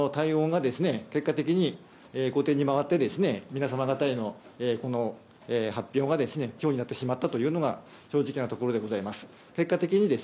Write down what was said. それで、対応が結果的に後手に回って皆様方へのこの発表がきょうになってしまったというのが正直なところでございます。